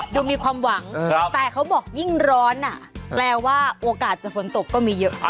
ดูมีความหวังแต่เขาบอกยิ่งร้อนแปลว่าโอกาสจะฝนตกก็มีเยอะ